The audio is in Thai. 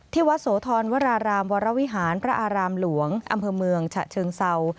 วัดโสธรวรารามวรวิหารพระอารามหลวงอำเภอเมืองฉะเชิงเศร้า